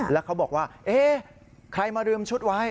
แล้วเขาบอกว่าเอ๊ะใครมาลืมชุดไว้